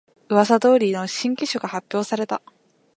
うわさ通りの新機種が発表された